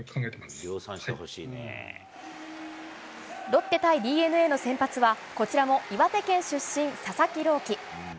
ロッテ対ＤｅＮＡの先発は、こちらも岩手県出身、佐々木朗希。